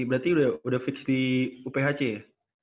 berarti udah fits di uphc ya